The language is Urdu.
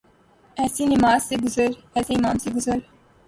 ایسی نماز سے گزر ، ایسے امام سے گزر